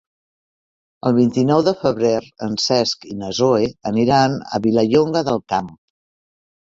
El vint-i-nou de febrer en Cesc i na Zoè aniran a Vilallonga del Camp.